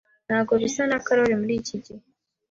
Ntabwo bisa na Karoli muri iki gihe.